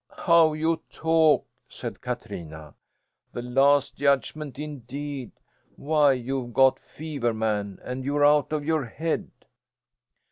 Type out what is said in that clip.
"How you talk!" said Katrina. "The Last Judgment indeed! Why, you've got fever, man, and you're out of your head."